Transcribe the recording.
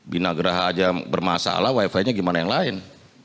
binagraha aja bermasalah wifi nya gimana yang lain